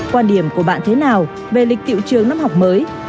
quan điểm của bạn thế nào về lịch tiệu trường năm học mới